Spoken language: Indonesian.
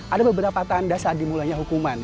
ada beberapa tanda saat dimulainya hukuman